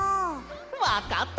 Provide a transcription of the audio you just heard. わかった！